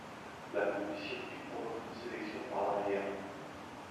La côte du circuit provoque une sélection par l'arrière.